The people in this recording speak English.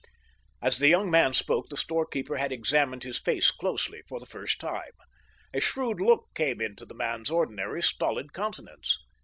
As the young man spoke the storekeeper had examined his face closely for the first time. A shrewd look came into the man's ordinarily stolid countenance.